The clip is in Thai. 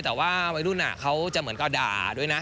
แต่ว่าวัยรุ่นเขาจะเหมือนก็ด่าด้วยนะ